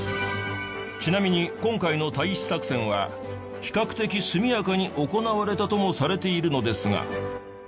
ちなみに今回の退避作戦は比較的速やかに行われたともされているのですが。